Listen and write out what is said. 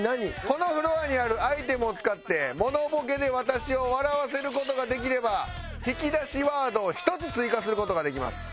このフロアにあるアイテムを使ってモノボケで私を笑わせる事ができれば引き出しワードを１つ追加する事ができます。